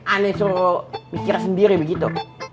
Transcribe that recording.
ani suruh pikir sendiri begitu